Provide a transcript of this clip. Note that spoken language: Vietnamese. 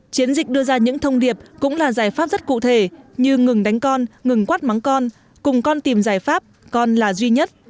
chiến dịch đưa ra những thông điệp cũng là giải pháp rất cụ thể như ngừng đánh con ngừng quát mắng con cùng con tìm giải pháp con là duy nhất